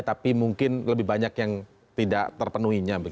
tapi mungkin lebih banyak yang tidak terpenuhinya